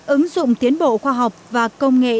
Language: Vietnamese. ứng dụng tiến bộ khoa học và công nghệ